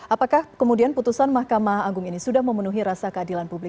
apakah kemudian putusan mahkamah agung ini sudah memenuhi rasa keadilan publik